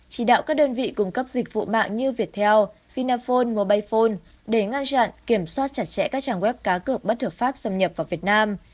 chỉ đạo các đơn vị cung cấp dịch vụ mạng như viettel vinaphone mobilephone để ngăn chặn kiểm soát chặt chẽ các trang web cá cực bất thực pháp xâm nhập vào việt nam